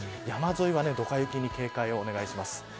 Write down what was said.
山沿いはどか雪に警戒をお願いします。